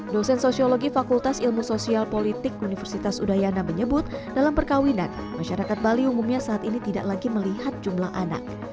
dosen sosiologi fakultas ilmu sosial politik universitas udayana menyebut dalam perkawinan masyarakat bali umumnya saat ini tidak lagi melihat jumlah anak